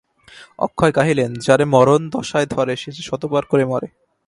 অক্ষয় গাহিলেন– যারে মরণ দশায় ধরে সে যে শতবার করে মরে।